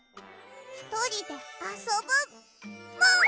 ひとりであそぶもん！